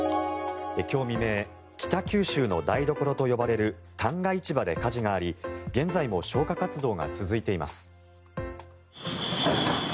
今日未明北九州の台所と呼ばれる旦過市場で火事があり現在も消火活動が続いています。